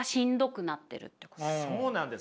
そうなんです。